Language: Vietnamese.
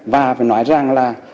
và nói rằng là